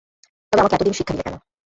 তবে আমাকে এত দিন শিক্ষা দিলে কেন?